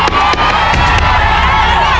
มีราคาที่ได้เธอ